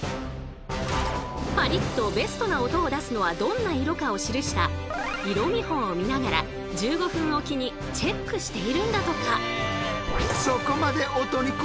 パリッとベストな音を出すのはどんな色かを記した色見本を見ながら１５分おきにチェックしているんだとか。